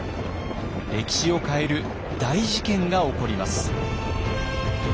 歴史を変える大事件が起こります。